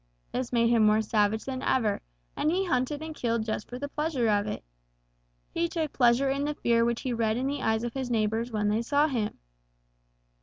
This made him more savage than ever, and he hunted and killed just for the pleasure of it. He took pleasure in the fear which he read in the eyes of his neighbors when they saw him.